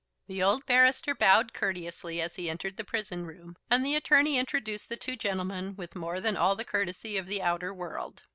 The old barrister bowed courteously as he entered the prison room, and the attorney introduced the two gentlemen with more than all the courtesy of the outer world.